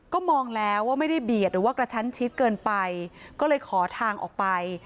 ก็มองแล้วว่าไม่ได้เบียดหรือว่ากระชั้นชิดเกินไปก็เลยขอทางออกไป